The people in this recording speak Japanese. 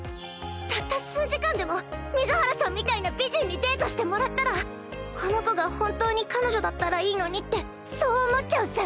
たった数時間でも水原さんみたいな美人にデートしてもらったらこの子が本当に彼女だったらいいのにってそう思っちゃうっス。